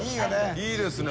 いいですね。